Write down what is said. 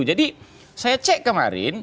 jadi saya cek kemarin